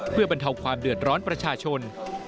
เพื่อบรรเทาความเดือดร้อนประชาชน